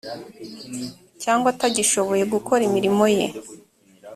cyangwa atagishoboye gukora imirimo ye